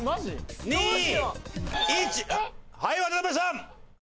はい渡邉さん。